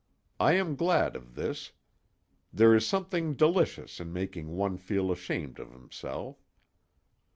I am glad of this. There is something delicious in making one feel ashamed of himself.